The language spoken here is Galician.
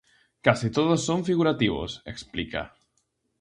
"Case todos son figurativos", explica.